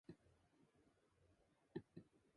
He is interred at Saint Agnes Cemetery, Menands, New York.